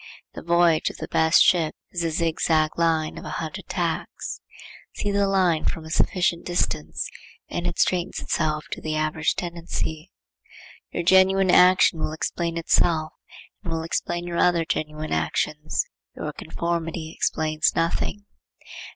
The voyage of the best ship is a zigzag line of a hundred tacks. See the line from a sufficient distance, and it straightens itself to the average tendency. Your genuine action will explain itself and will explain your other genuine actions. Your conformity explains nothing.